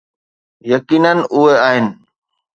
يقينا اهي آهن.